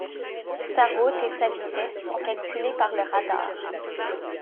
Sa route et sa vitesse sont calculées par le radar.